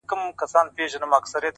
د سيند پر غاړه؛ سندريزه اروا وچړپېدل؛